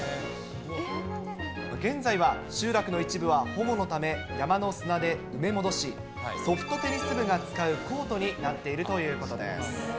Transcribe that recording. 現在は集落の一部は保護のため、山の砂で埋め戻し、ソフトテニス部が使うコートになっているということです。